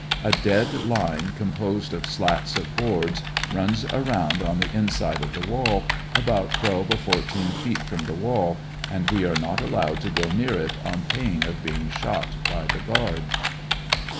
A dead line composed of slats of boards runs around on the inside of the wall, about twelve or fourteen feet from the wall, and we are not allowed to go near it on pain of being shot by the guard.